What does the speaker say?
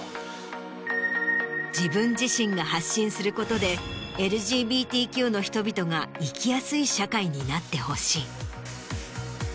自分自身が発信することでＬＧＢＴＱの人々が生きやすい社会になってほしい。